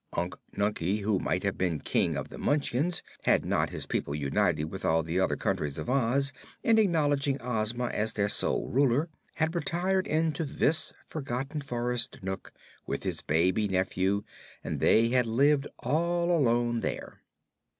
Unc Nunkie, who might have been King of the Munchkins, had not his people united with all the other countries of Oz in acknowledging Ozma as their sole ruler, had retired into this forgotten forest nook with his baby nephew and they had lived all alone there.